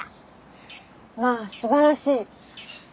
まあすばらしい。